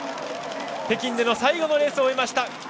北京での最後のレースを終えました。